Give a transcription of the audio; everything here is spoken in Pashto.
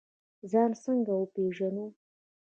ځان څنګه وپیژنو؟